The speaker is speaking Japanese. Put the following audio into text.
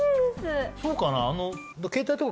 そうかな？